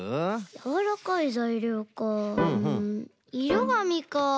やわらかいざいりょうかうんいろがみか。